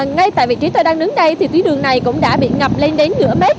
ngay tại vị trí tôi đang đứng đây thì tuyến đường này cũng đã bị ngập lên đến nửa mét